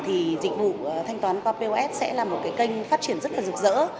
thì dịch vụ thanh toán qua pos sẽ là một kênh phát triển rất rực rỡ